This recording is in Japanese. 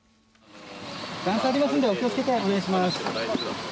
段差がありますのでお気をつけてお願いします。